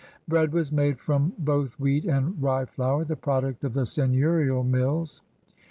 Bread was made from both wheat and rye flour, the product of the seigneurial mills.